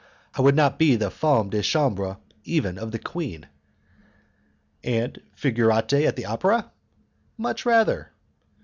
"I would not be the 'femme de chambre' even of the queen." "And 'figurante' at the opera?" "Much rather."